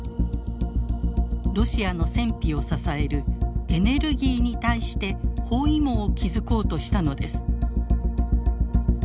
ロシアの戦費を支えるエネルギーに対して包囲網を築こうとしたのです。